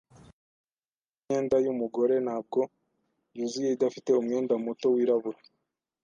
Imyenda yimyenda yumugore ntabwo yuzuye idafite umwenda muto wirabura.